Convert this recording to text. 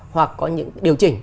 hoặc có những điều chỉnh